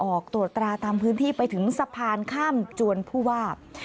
ออกตรวจตราตามพื้นที่ไปถึงสะพานข้ามจวนผู้ว่า